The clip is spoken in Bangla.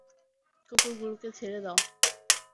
কুকুরগুলোকে ছেড়ে দাও!